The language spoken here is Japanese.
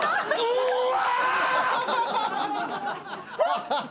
うわ！